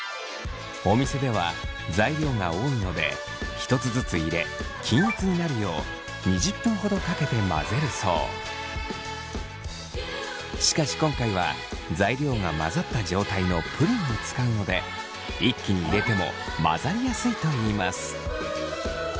お店では材料が多いので１つずつ入れ均一になるようしかし今回は材料が混ざった状態のプリンを使うので一気に入れても混ざりやすいといいます。